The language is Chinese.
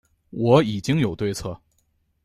我已经有对策